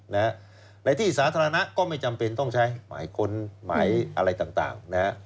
ในที่สาธารณะก็ไม่จำเป็นต้องใช้หมายค้นหมายอะไรต่างนะฮะ